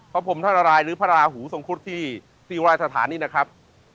พระพรมธานรายหรือพระราหูทรงครุฑที่ติราชฐานนี้นะครับ